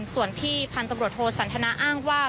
ส่วนที่พันธุ์ตำรวจโทสันทนาอ้างว่า